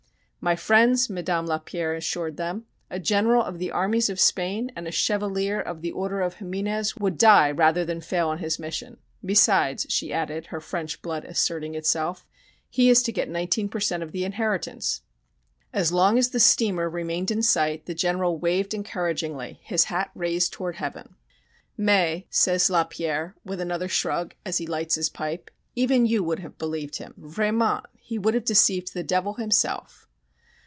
"My friends," Madame Lapierre assured them, "a General of the armies of Spain and a Chevalier of the Order of Jiminez would die rather than fail in his mission. Besides," she added, her French blood asserting itself, "he is to get nineteen per cent. of the inheritance!" As long as the steamer remained in sight the General waved encouragingly, his hat raised toward Heaven. "Mais," says Lapierre, with another shrug as he lights his pipe, "even you would have believed him. Vraiment! He would have deceived the devil himself!"